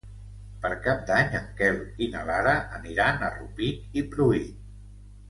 Per Cap d'Any en Quel i na Lara aniran a Rupit i Pruit.